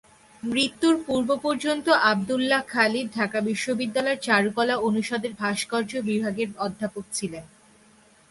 মৃত্যুর পূর্ব পর্যন্ত আবদুল্লাহ খালিদ ঢাকা বিশ্ববিদ্যালয়ের চারুকলা অনুষদের ভাস্কর্য বিভাগের অধ্যাপক ছিলেন।